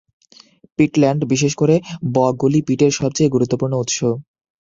পিটল্যান্ড, বিশেষ করে বগগুলি পিটের সবচেয়ে গুরুত্বপূর্ণ উৎস।